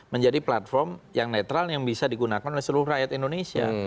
menjadi platform yang netral yang bisa digunakan oleh seluruh rakyat indonesia